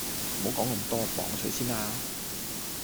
唔好講咁多，磅水先啦！